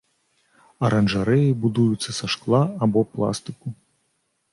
Аранжарэі будуюцца са шкла або пластыку.